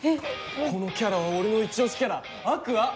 このキャラは俺のイチ押しキャラアクア！